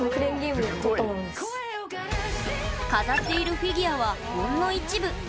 飾っているフィギュアはほんの一部。